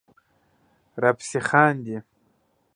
راپسې خاندې